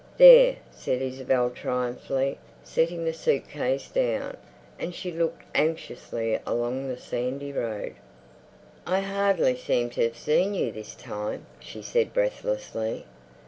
"There," said Isabel triumphantly, setting the suit case down, and she looked anxiously along the sandy road. "I hardly seem to have seen you this time," she said breathlessly.